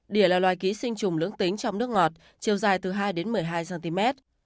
đỉa là loài ký sinh trùng lưỡng tính trong nước ngọt chiều dài từ hai một mươi hai cm